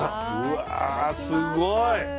うわすごい。